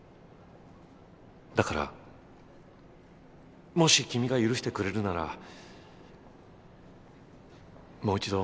だからもし君が許してくれるならもう一度。